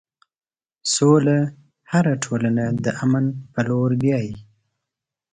سوله هره ټولنه د امن په لور بیایي.